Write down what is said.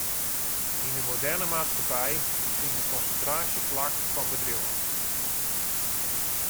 Yn de moderne maatskippij fynt in konsintraasje plak fan bedriuwen.